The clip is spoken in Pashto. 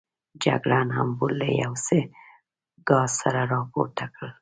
جګړن امبور له یو څه ګاز سره راپورته کړ.